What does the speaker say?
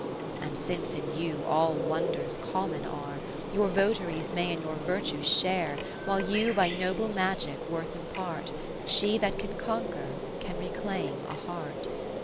And since in you all wonders common are. Your votaries may in your virtues share, While you by noble magic worth impart : She that can conquer, can reclaim a heart.